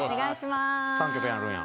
３曲やるんや。